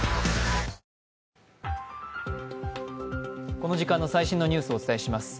この時間の最新のニュースをお伝えします。